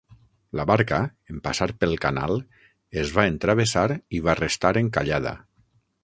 La barca, en passar pel canal, es va entravessar i va restar encallada.